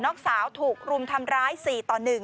น้องสาวถูกรุมทำร้าย๔ต่อ๑